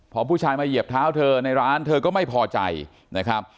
พอผู้ชายมาเหยียบเท้าเธอในร้านเธอก็ไม่พอใจนะครับ